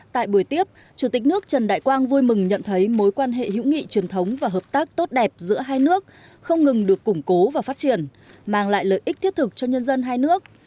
tại buổi tiếp chủ tịch nước trần đại quang vui mừng nhận thấy mối quan hệ hữu nghị truyền thống và hợp tác tốt đẹp giữa hai nước không ngừng được củng cố và phát triển mang lại lợi ích thiết thực cho nhân dân hai nước